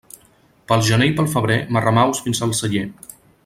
Pel gener i pel febrer marramaus fins al celler.